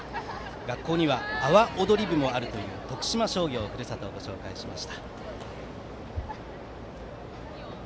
学校には阿波踊り部もあるという徳島商業のふるさとをご紹介しました。